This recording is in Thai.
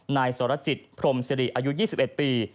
นายสรจิตพรมสิริอายุ๒๑ปี